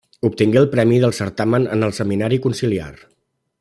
Obtingué el premi del certamen en el Seminari Conciliar.